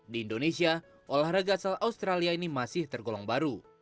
di indonesia olahraga asal australia ini masih tergolong baru